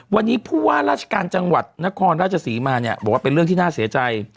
วันนี้ผู้ว่าราชการจังหวัดนครราชศรีมาเนี่ยบอกว่าเป็นเรื่องที่น่าเสียใจ